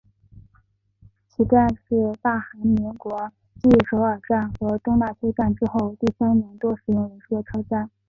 此站是大韩民国继首尔站和东大邱站之后第三多使用人数的车站。